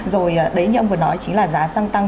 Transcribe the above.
rồi đấy như ông vừa nói chính là giá xăng tăng